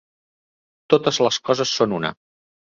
Totes les coses són una.